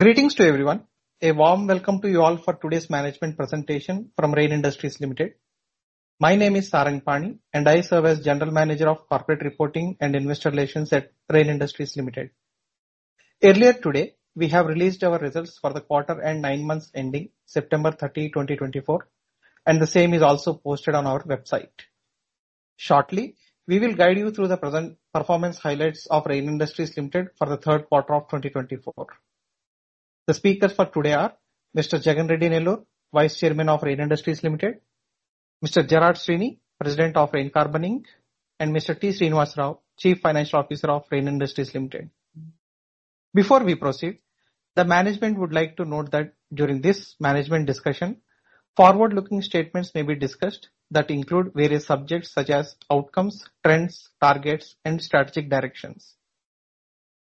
Greetings to everyone. A warm welcome to you all for today's management presentation from Rain Industries Limited. My name is Saranga Pani, and I serve as General Manager of Corporate Reporting and Investor Relations at Rain Industries Limited. Earlier today, we have released our results for the quarter and nine months ending September 30, 2024, and the same is also posted on our website. Shortly, we will guide you through the present performance highlights of Rain Industries Limited for the third quarter of 2024. The speakers for today are Mr. Jagan Reddy Nellore, Vice Chairman of Rain Industries Limited, Mr. Gerard Sweeney, President of Rain Carbon Inc., and Mr. T. Srinivasa Rao, Chief Financial Officer of Rain Industries Limited. Before we proceed, the management would like to note that during this management discussion, forward-looking statements may be discussed that include various subjects such as outcomes, trends, targets, and strategic directions.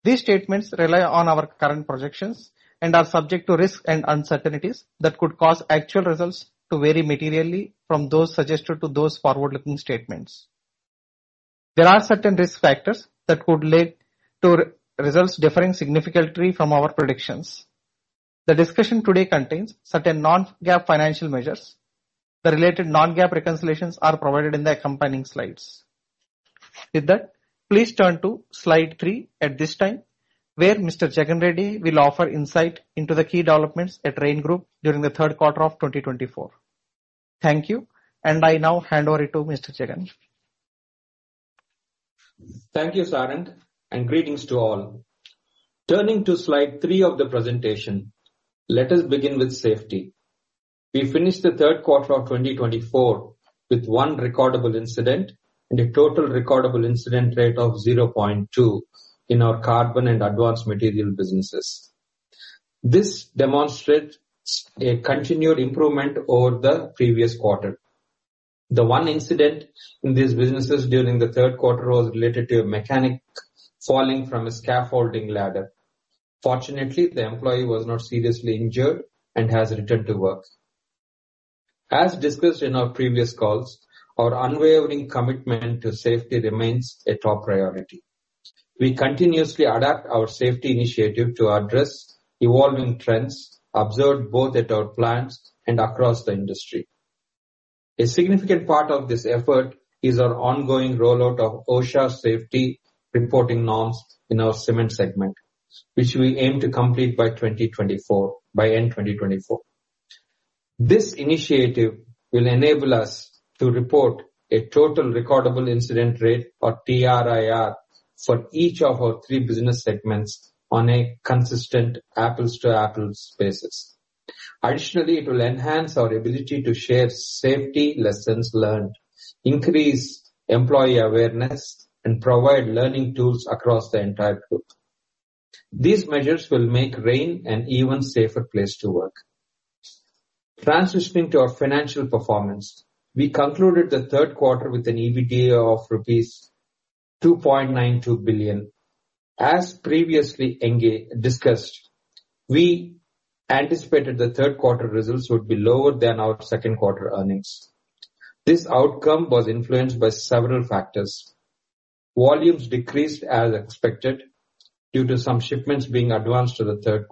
These statements rely on our current projections and are subject to risks and uncertainties that could cause actual results to vary materially from those suggested to those forward-looking statements. There are certain risk factors that could lead to results differing significantly from our predictions. The discussion today contains certain non-GAAP financial measures. The related non-GAAP reconciliations are provided in the accompanying slides. With that, please turn to slide three at this time, where Mr. Jagan Reddy will offer insight into the key developments at Rain Group during the third quarter of 2024. Thank you, and I now hand over to Mr. Jagan. Thank you, Saranga, and greetings to all. Turning to slide three of the presentation, let us begin with safety. We finished the third quarter of 2024 with one recordable incident and a total recordable incident rate of 0.2 in our carbon and advanced material businesses. This demonstrates a continued improvement over the previous quarter. The one incident in these businesses during the third quarter was related to a mechanic falling from a scaffolding ladder. Fortunately, the employee was not seriously injured and has returned to work. As discussed in our previous calls, our unwavering commitment to safety remains a top priority. We continuously adapt our safety initiative to address evolving trends observed both at our plants and across the industry. A significant part of this effort is our ongoing rollout of OSHA safety reporting norms in our cement segment, which we aim to complete by end 2024. This initiative will enable us to report a total recordable incident rate, or TRIR, for each of our three business segments on a consistent apples-to-apples basis. Additionally, it will enhance our ability to share safety lessons learned, increase employee awareness, and provide learning tools across the entire group. These measures will make Rain an even safer place to work. Transitioning to our financial performance, we concluded the third quarter with an EBITDA of rupees 2.92 billion. As previously discussed, we anticipated the third quarter results would be lower than our second quarter earnings. This outcome was influenced by several factors. Volumes decreased as expected due to some shipments being advanced to the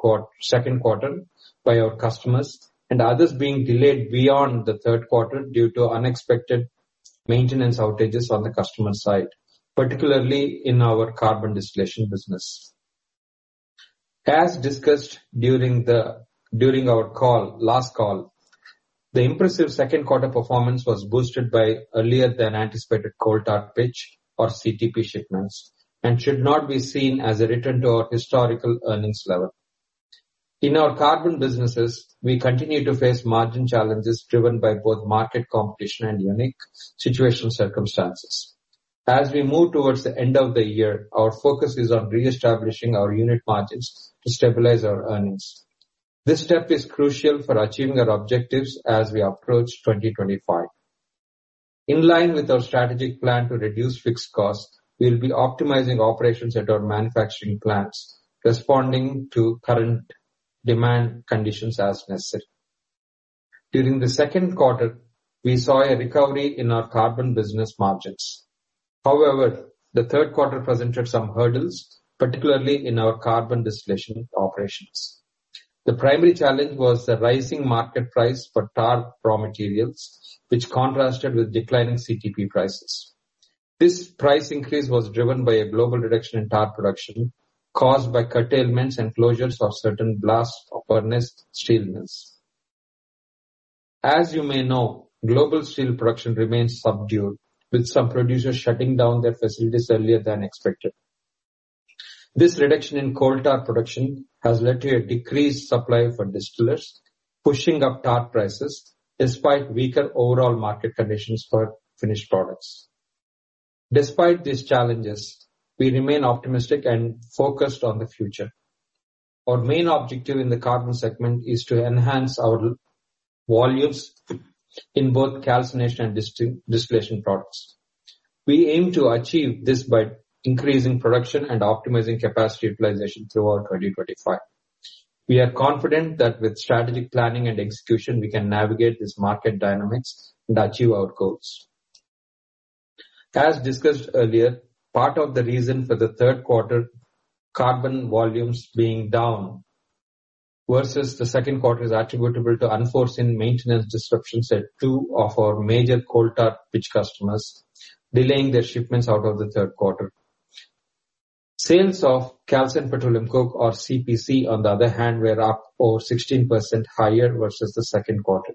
second quarter by our customers and others being delayed beyond the third quarter due to unexpected maintenance outages on the customer side, particularly in our carbon distillation business. As discussed during our last call, the impressive second quarter performance was boosted by earlier than anticipated coal tar pitch, or CTP, shipments and should not be seen as a return to our historical earnings level. In our carbon businesses, we continue to face margin challenges driven by both market competition and unique situational circumstances. As we move towards the end of the year, our focus is on reestablishing our unit margins to stabilize our earnings. This step is crucial for achieving our objectives as we approach 2025. In line with our strategic plan to reduce fixed costs, we will be optimizing operations at our manufacturing plants, responding to current demand conditions as necessary. During the second quarter, we saw a recovery in our carbon business margins. However, the third quarter presented some hurdles, particularly in our carbon distillation operations. The primary challenge was the rising market price for tar raw materials, which contrasted with declining CTP prices. This price increase was driven by a global reduction in tar production caused by curtailments and closures of certain blast furnace steel mills. As you may know, global steel production remains subdued, with some producers shutting down their facilities earlier than expected. This reduction in coal tar production has led to a decreased supply for distillers, pushing up tar prices despite weaker overall market conditions for finished products. Despite these challenges, we remain optimistic and focused on the future. Our main objective in the carbon segment is to enhance our volumes in both calcination and distillation products. We aim to achieve this by increasing production and optimizing capacity utilization throughout 2025. We are confident that with strategic planning and execution, we can navigate these market dynamics and achieve our goals. As discussed earlier, part of the reason for the third quarter carbon volumes being down versus the second quarter is attributable to unforeseen maintenance disruptions at two of our major coal tar pitch customers delaying their shipments out of the third quarter. Sales of calcined petroleum coke, or CPC, on the other hand, were up over 16% higher versus the second quarter.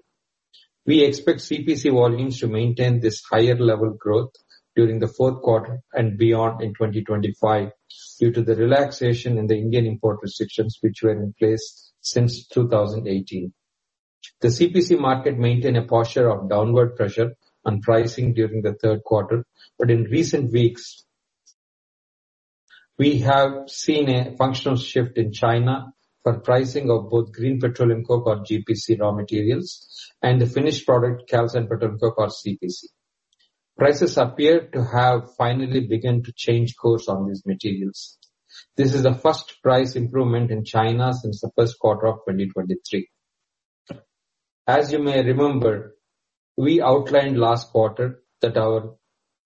We expect CPC volumes to maintain this higher level growth during the fourth quarter and beyond in 2025 due to the relaxation in the Indian import restrictions which were in place since 2018. The CPC market maintained a posture of downward pressure on pricing during the third quarter, but in recent weeks, we have seen a functional shift in China for pricing of both green petroleum coke, or GPC, raw materials and the finished product calcined petroleum coke, or CPC. Prices appear to have finally begun to change course on these materials. This is the first price improvement in China since the first quarter of 2023. As you may remember, we outlined last quarter that our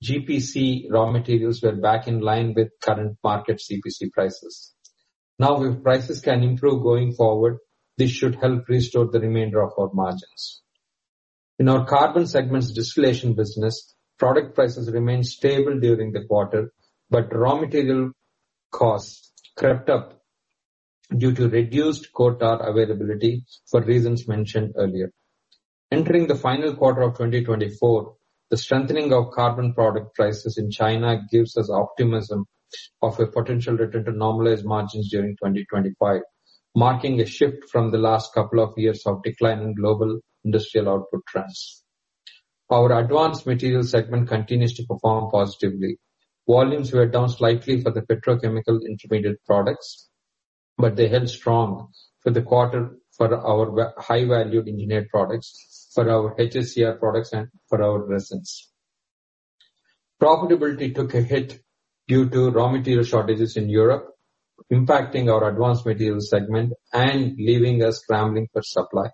GPC raw materials were back in line with current market CPC prices. Now, if prices can improve going forward, this should help restore the remainder of our margins. In our carbon segment's distillation business, product prices remained stable during the quarter, but raw material costs crept up due to reduced coal tar availability for reasons mentioned earlier. Entering the final quarter of 2024, the strengthening of carbon product prices in China gives us optimism of a potential return to normalized margins during 2025, marking a shift from the last couple of years of declining global industrial output trends. Our advanced material segment continues to perform positively. Volumes were down slightly for the petrochemical intermediate products, but they held strong for the quarter for our high-valued engineered products, for our HHCR products, and for our resins. Profitability took a hit due to raw material shortages in Europe, impacting our advanced materials segment and leaving us scrambling for supply.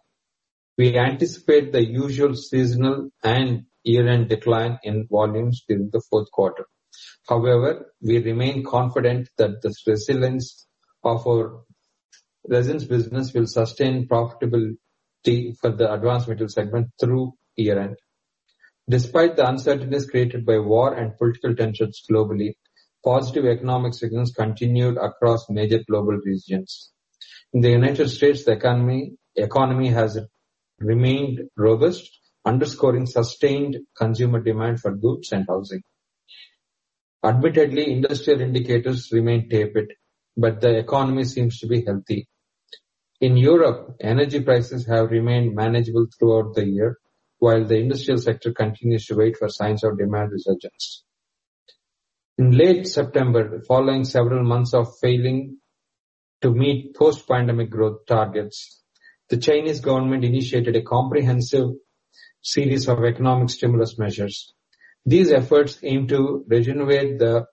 We anticipate the usual seasonal and year-end decline in volumes during the fourth quarter. However, we remain confident that the resilience of our resins business will sustain profitability for the advanced materials segment through year-end. Despite the uncertainties created by war and political tensions globally, positive economic signals continued across major global regions. In the United States, the economy has remained robust, underscoring sustained consumer demand for goods and housing. Admittedly, industrial indicators remain tapered, but the economy seems to be healthy. In Europe, energy prices have remained manageable throughout the year, while the industrial sector continues to wait for signs of demand resurgence. In late September, following several months of failing to meet post-pandemic growth targets, the Chinese government initiated a comprehensive series of economic stimulus measures. These efforts aim to regenerate the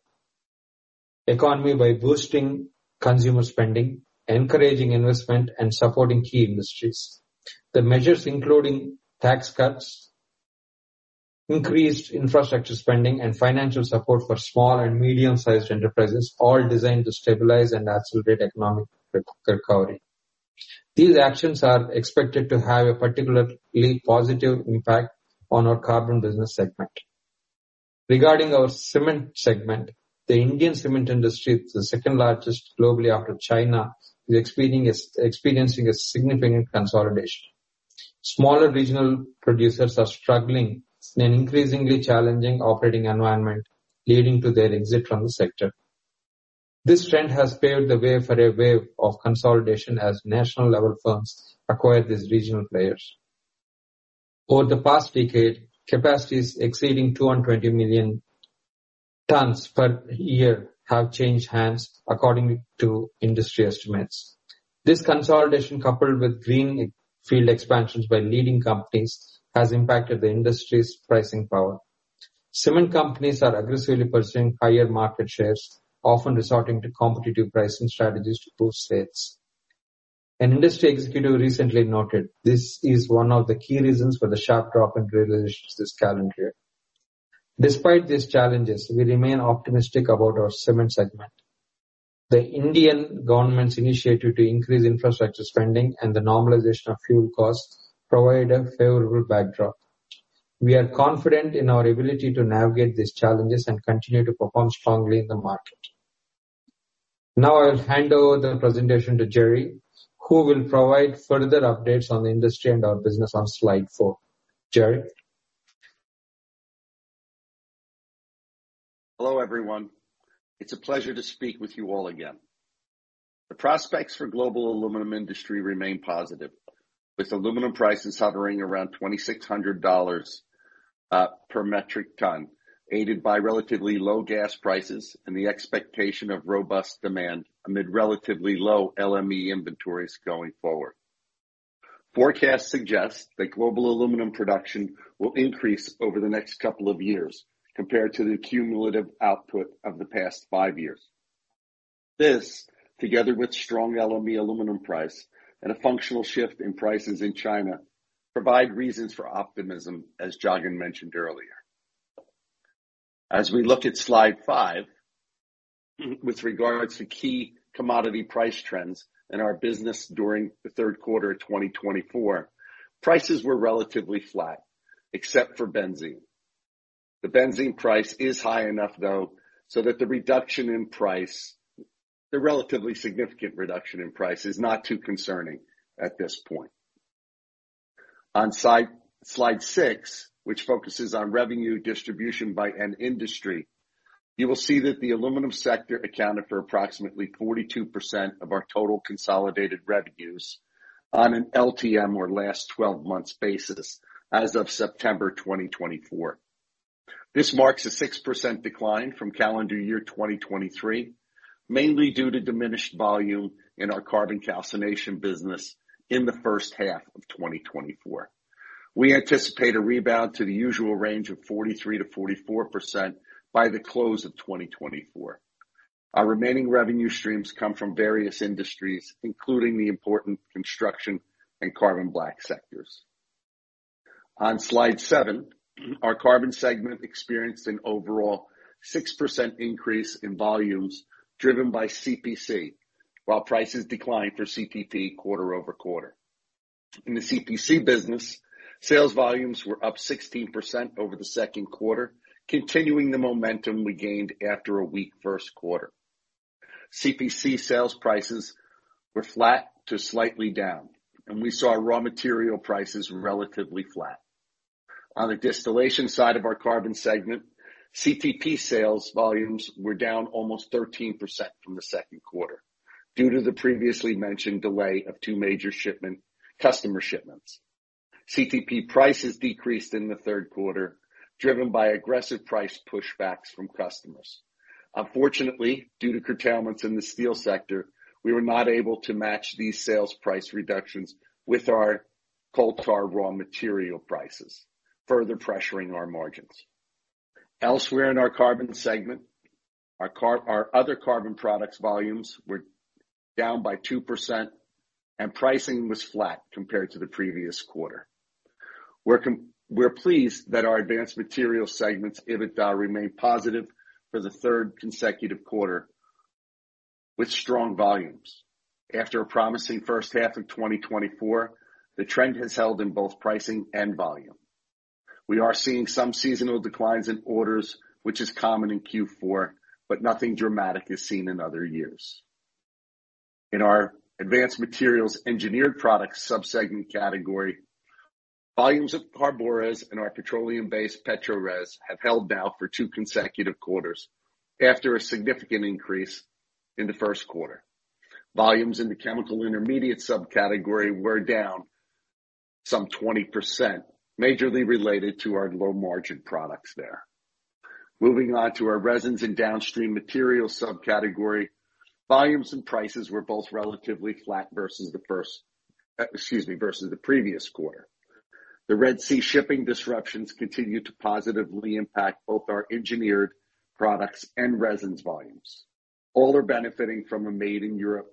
economy by boosting consumer spending, encouraging investment, and supporting key industries. The measures, including tax cuts, increased infrastructure spending, and financial support for small and medium-sized enterprises, are all designed to stabilize and accelerate economic recovery. These actions are expected to have a particularly positive impact on our carbon business segment. Regarding our cement segment, the Indian cement industry, the second largest globally after China, is experiencing a significant consolidation. Smaller regional producers are struggling in an increasingly challenging operating environment, leading to their exit from the sector. This trend has paved the way for a wave of consolidation as national-level firms acquire these regional players. Over the past decade, capacities exceeding 220 million tons per year have changed hands, according to industry estimates. This consolidation, coupled with greenfield expansions by leading companies, has impacted the industry's pricing power. Cement companies are aggressively pursuing higher market shares, often resorting to competitive pricing strategies to boost sales. An industry executive recently noted this is one of the key reasons for the sharp drop in realizations this calendar year. Despite these challenges, we remain optimistic about our cement segment. The Indian government's initiative to increase infrastructure spending and the normalization of fuel costs provide a favorable backdrop. We are confident in our ability to navigate these challenges and continue to perform strongly in the market. Now, I will hand over the presentation to Gerry, who will provide further updates on the industry and our business on slide four. Gerry. Hello, everyone. It's a pleasure to speak with you all again. The prospects for the global aluminum industry remain positive, with aluminum prices hovering around $2,600 per metric ton, aided by relatively low gas prices and the expectation of robust demand amid relatively low LME inventories going forward. Forecasts suggest that global aluminum production will increase over the next couple of years compared to the cumulative output of the past five years. This, together with strong LME aluminum prices and a functional shift in prices in China, provides reasons for optimism, as Jagan mentioned earlier. As we look at slide five with regards to key commodity price trends in our business during the third quarter of 2024, prices were relatively flat, except for benzene. The benzene price is high enough, though, so that the reduction in price, the relatively significant reduction in price, is not too concerning at this point. On slide six, which focuses on revenue distribution by an industry, you will see that the aluminum sector accounted for approximately 42% of our total consolidated revenues on an LTM or last 12 months basis as of September 2024. This marks a 6% decline from calendar year 2023, mainly due to diminished volume in our carbon calcination business in the first half of 2024. We anticipate a rebound to the usual range of 43%-44% by the close of 2024. Our remaining revenue streams come from various industries, including the important construction and carbon black sectors. On slide seven, our carbon segment experienced an overall 6% increase in volumes driven by CPC, while prices declined for CTP quarter-over-quarter. In the CPC business, sales volumes were up 16% over the second quarter, continuing the momentum we gained after a weak first quarter. CPC sales prices were flat to slightly down, and we saw raw material prices relatively flat. On the distillation side of our carbon segment, CTP sales volumes were down almost 13% from the second quarter due to the previously mentioned delay of two major customer shipments. CTP prices decreased in the third quarter, driven by aggressive price pushbacks from customers. Unfortunately, due to curtailments in the steel sector, we were not able to match these sales price reductions with our coal tar raw material prices, further pressuring our margins. Elsewhere in our carbon segment, our other carbon products volumes were down by 2%, and pricing was flat compared to the previous quarter. We're pleased that our advanced material segments, EBITDA, remain positive for the third consecutive quarter with strong volumes. After a promising first half of 2024, the trend has held in both pricing and volume. We are seeing some seasonal declines in orders, which is common in Q4, but nothing dramatic is seen in other years. In our advanced materials engineered products subsegment category, volumes of CARBORES and our petroleum-based PETRORES have held down for two consecutive quarters after a significant increase in the first quarter. Volumes in the chemical intermediate subcategory were down some 20%, majorly related to our low-margin products there. Moving on to our resins and downstream materials subcategory, volumes and prices were both relatively flat versus the previous quarter. The Red Sea shipping disruptions continue to positively impact both our engineered products and resins volumes. All are benefiting from a Made in Europe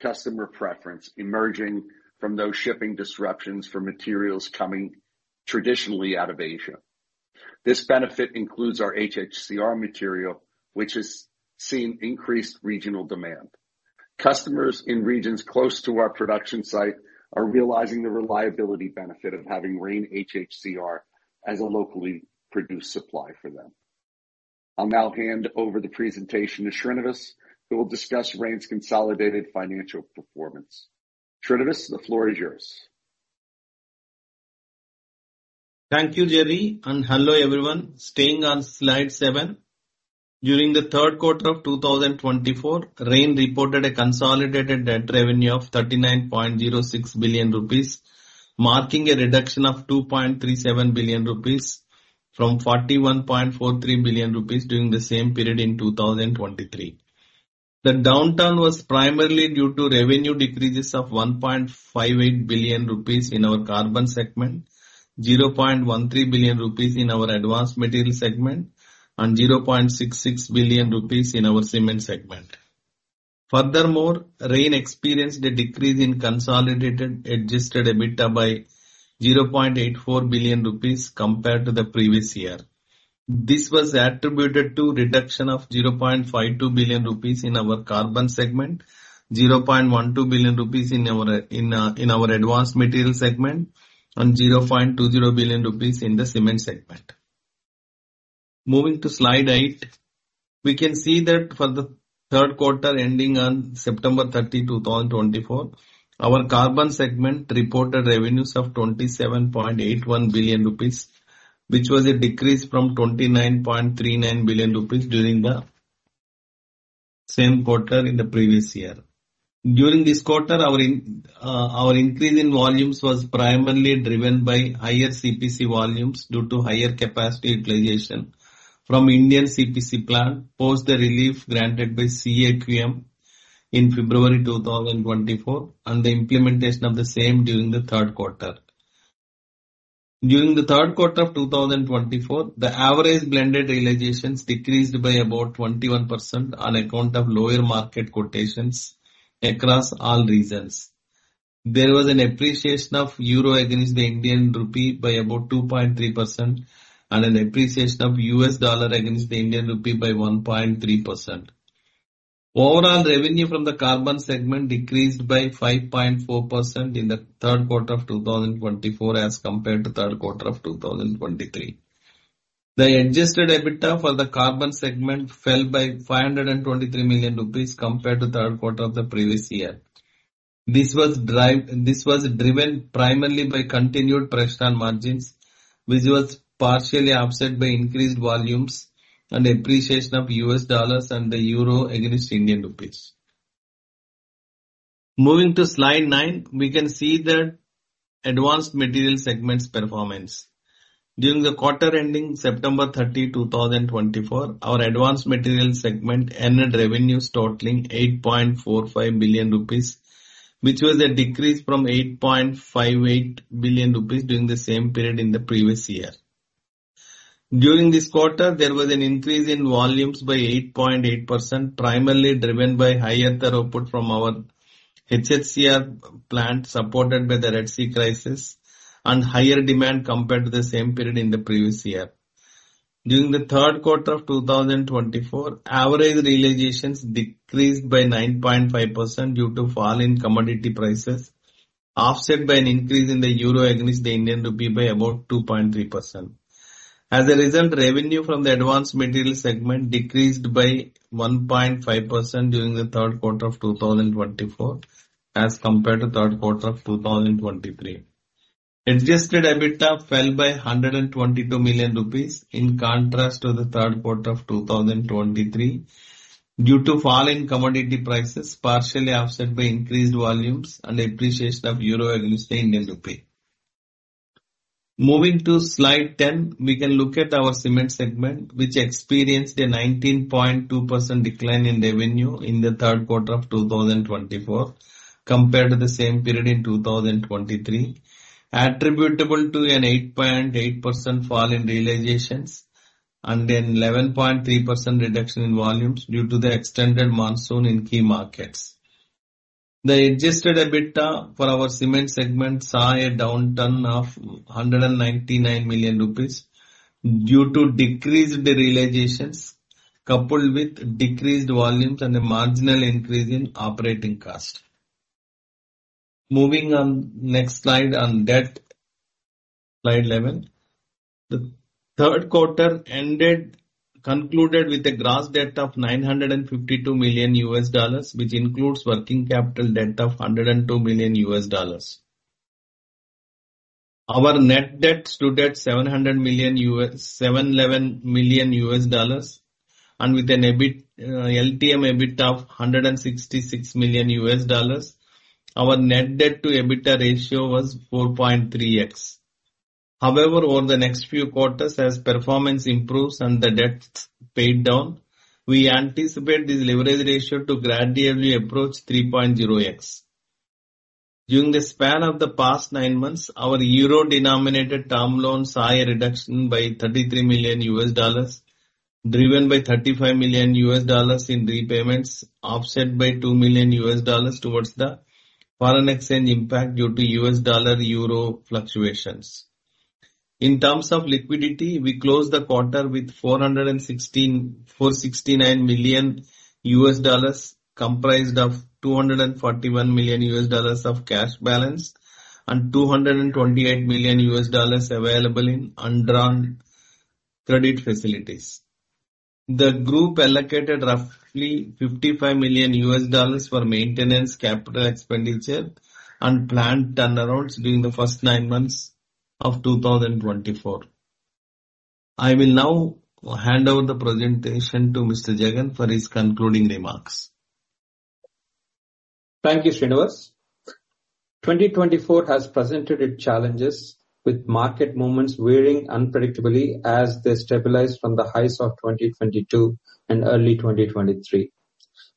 customer preference emerging from those shipping disruptions for materials coming traditionally out of Asia. This benefit includes our HHCR material, which has seen increased regional demand. Customers in regions close to our production site are realizing the reliability benefit of having Rain HHCR as a locally produced supply for them. I'll now hand over the presentation to Srinivas, who will discuss Rain's consolidated financial performance. Srinivas, the floor is yours. Thank you, Gerry, and hello, everyone. Staying on slide seven, during the third quarter of 2024, Rain reported a consolidated net revenue of 39.06 billion rupees, marking a reduction of 2.37 billion rupees from 41.43 billion rupees during the same period in 2023. The downturn was primarily due to revenue decreases of 1.58 billion rupees in our carbon segment, 0.13 billion rupees in our advanced materials segment, and 0.66 billion rupees in our cement segment. Furthermore, Rain experienced a decrease in consolidated adjusted EBITDA by 0.84 billion rupees compared to the previous year. This was attributed to a reduction of 0.52 billion rupees in our carbon segment, 0.12 billion rupees in our advanced materials segment, and 0.20 billion rupees in the cement segment. Moving to slide eight, we can see that for the third quarter ending on September 30, 2024, our carbon segment reported revenues of 27.81 billion rupees, which was a decrease from 29.39 billion rupees during the same quarter in the previous year. During this quarter, our increase in volumes was primarily driven by higher CPC volumes due to higher capacity utilization from Indian CPC plants, post the relief granted by CAQM in February 2024 and the implementation of the same during the third quarter. During the third quarter of 2024, the average blended realizations decreased by about 21% on account of lower market quotations across all regions. There was an appreciation of euro against the Indian rupee by about 2.3% and an appreciation of U.S. dollar against the Indian rupee by 1.3%. Overall revenue from the carbon segment decreased by 5.4% in the third quarter of 2024 as compared to the third quarter of 2023. The adjusted EBITDA for the carbon segment fell by 523 million rupees compared to the third quarter of the previous year. This was driven primarily by continued pressure on margins, which was partially offset by increased volumes and appreciation of U.S. dollars and the euro against Indian rupees. Moving to slide nine, we can see the advanced materials segment's performance. During the quarter ending September 30, 2024, our advanced materials segment ended revenues totaling 8.45 billion rupees, which was a decrease from 8.58 billion rupees during the same period in the previous year. During this quarter, there was an increase in volumes by 8.8%, primarily driven by higher output from our HHCR plant supported by the Red Sea crisis and higher demand compared to the same period in the previous year. During the third quarter of 2024, average realizations decreased by 9.5% due to fall in commodity prices, offset by an increase in the euro against the Indian rupee by about 2.3%. As a result, revenue from the advanced materials segment decreased by 1.5% during the third quarter of 2024 as compared to the third quarter of 2023. Adjusted EBITDA fell by 122 million rupees in contrast to the third quarter of 2023 due to fall in commodity prices, partially offset by increased volumes and appreciation of euro against the Indian rupee. Moving to slide 10, we can look at our cement segment, which experienced a 19.2% decline in revenue in the third quarter of 2024 compared to the same period in 2023, attributable to an 8.8% fall in realizations and an 11.3% reduction in volumes due to the extended monsoon in key markets. The Adjusted EBITDA for our cement segment saw a downturn of 199 million rupees due to decreased realizations coupled with decreased volumes and a marginal increase in operating cost. Moving on, next slide on debt, slide 11. The third quarter concluded with a gross debt of $952 million, which includes working capital debt of $102 million. Our net debt stood at $711 million, and with an LTM EBITDA of $166 million, our net debt-to-EBITDA ratio was 4.3x. However, over the next few quarters, as performance improves and the debt paid down, we anticipate this leverage ratio to gradually approach 3.0x. During the span of the past nine months, our euro-denominated term loans saw a reduction by $33 million, driven by $35 million in repayments, offset by $2 million towards the foreign exchange impact due to U.S. dollar-euro fluctuations. In terms of liquidity, we closed the quarter with $469 million, comprised of $241 million of cash balance and $228 million available in undrawn credit facilities. The group allocated roughly $55 million for maintenance, capital expenditure, and planned turnarounds during the first nine months of 2024. I will now hand over the presentation to Mr. Jagan for his concluding remarks. Thank you, Srinivas. 2024 has presented its challenges, with market movements veering unpredictably as they stabilized from the highs of 2022 and early 2023.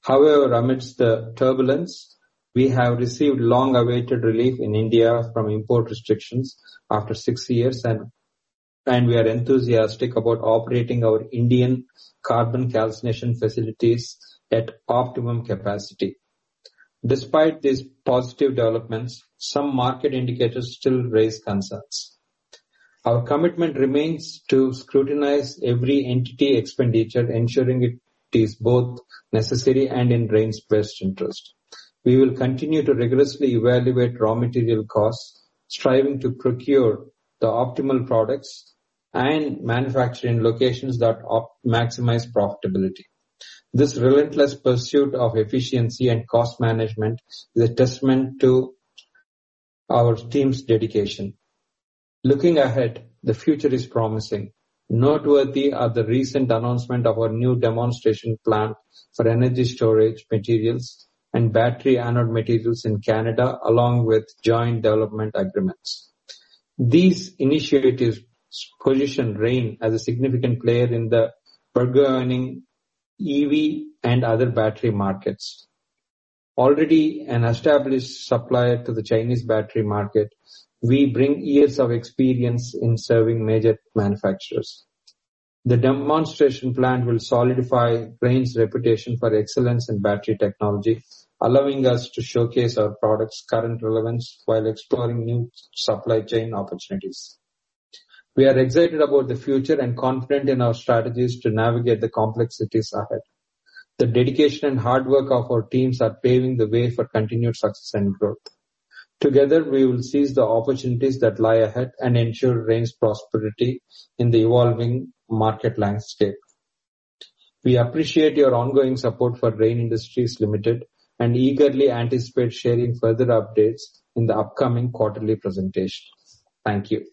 However, amidst the turbulence, we have received long-awaited relief in India from import restrictions after six years, and we are enthusiastic about operating our Indian carbon calcination facilities at optimum capacity. Despite these positive developments, some market indicators still raise concerns. Our commitment remains to scrutinize every entity expenditure, ensuring it is both necessary and in Rain's best interest. We will continue to rigorously evaluate raw material costs, striving to procure the optimal products and manufacture in locations that maximize profitability. This relentless pursuit of efficiency and cost management is a testament to our team's dedication. Looking ahead, the future is promising. Noteworthy are the recent announcement of our new demonstration plant for energy storage materials and battery anode materials in Canada, along with joint development agreements. These initiatives position Rain as a significant player in the burgeoning EV and other battery markets. Already an established supplier to the Chinese battery market, we bring years of experience in serving major manufacturers. The demonstration plant will solidify Rain's reputation for excellence in battery technology, allowing us to showcase our products' current relevance while exploring new supply chain opportunities. We are excited about the future and confident in our strategies to navigate the complexities ahead. The dedication and hard work of our teams are paving the way for continued success and growth. Together, we will seize the opportunities that lie ahead and ensure Rain's prosperity in the evolving market landscape. We appreciate your ongoing support for Rain Industries Limited and eagerly anticipate sharing further updates in the upcoming quarterly presentation. Thank you.